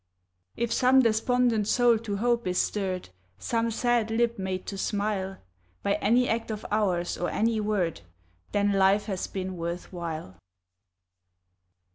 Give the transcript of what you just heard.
If some despondent soul to hope is stirred, Some sad lip made to smile, By any act of ours, or any word, Then, life has been worth while.